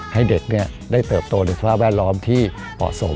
ให้เด็กได้เติบโตในสภาพแวดล้อมที่เหมาะสม